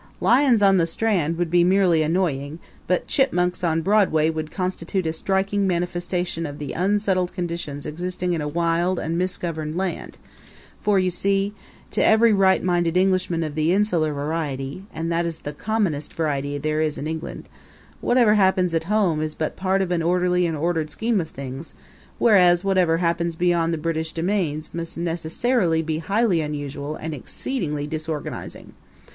Lions on the Strand would be merely annoying, but chipmunks on Broadway would constitute a striking manifestation of the unsettled conditions existing in a wild and misgoverned land; for, you see, to every right minded Englishman of the insular variety and that is the commonest variety there is in England whatever happens at home is but part of an orderly and an ordered scheme of things, whereas whatever happens beyond the British domains must necessarily be highly unusual and exceedingly disorganizing.